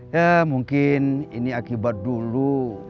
ya mungkin ini akibat dulu